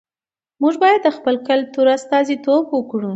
موږ بايد د خپل کلتور استازیتوب وکړو.